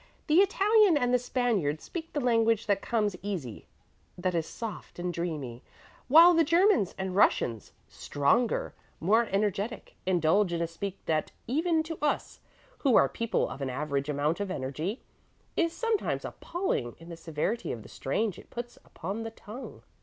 The Italian and the Spaniard speak the language that comes easy that is soft and dreamy; while the Germans and Russians, stronger, more energetic, indulge in a speech that even to us, who are people of an average amount of energy, is sometimes appalling in the severity of the strain it puts upon the tongue.